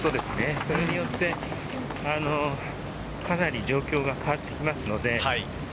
それによって、かなり状況が変わってきます。